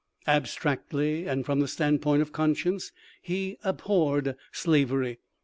Abstractly, and from the standpoint of conscience, he abhorred slavery.